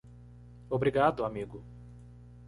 Obrigado amigo